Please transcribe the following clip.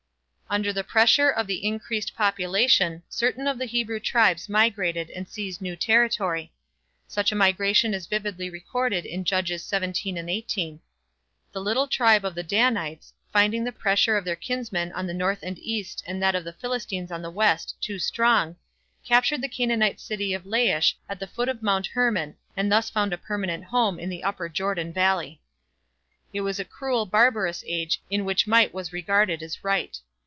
Under the pressure of the increased population certain of the Hebrew tribes migrated and seized new territory. Such a migration is vividly recorded in Judges 17 and 18. The little tribe of the Danites, finding the pressure of their kinsmen on the north and east and that of the Philistines on the west too strong, captured the Canaanite city of Laish at the foot of Mount Hermon and thus found a permanent home in the upper Jordan valley. It was a cruel, barbarous age in which might was regarded as right.